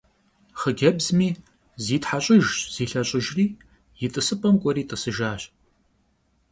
Xhıcebzmi zitheş'ıjjş, zilheş'ıjjri yi t'ısıp'em k'ueri t'ısıjjaş.